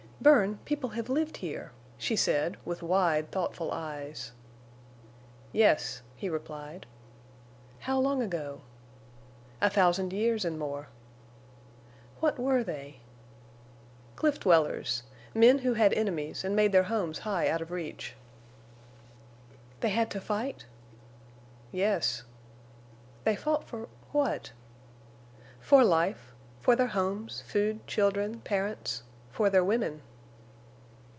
"Bern, people have lived here," she said, with wide, thoughtful eyes. "Yes," he replied. "How long ago?" "A thousand years and more." "What were they?" "Cliff dwellers. Men who had enemies and made their homes high out of reach." "They had to fight?" "Yes." "They fought for—what?" "For life. For their homes, food, children, parents—for their women!"